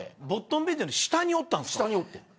ボットン便所の下におったんですか。